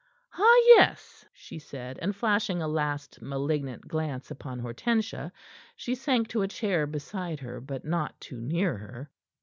"Ah, yes," she said, and flashing a last malignant glance upon Hortensia, she sank to a chair beside her, but not too near her.